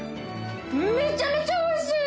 めちゃめちゃおいしい。